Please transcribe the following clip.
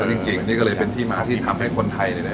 ดีกว่าเลยเป็นที่มาที่ทำให้คนไทยเลยนะ